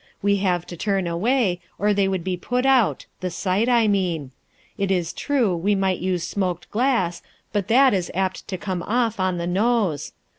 We have to turn away, or they would be put out, the sight, I mean. It is true, we might use smoked glass, but that is apt to come off on the nose.